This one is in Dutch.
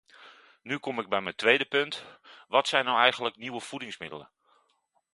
Nu kom ik bij mijn tweede punt: wat zijn nou eigenlijk nieuwe voedingsmiddelen?